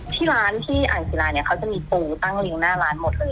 ที่ร้านที่อ่างศิลาเนี่ยเขาจะมีปูตั้งลิงหน้าร้านหมดเลย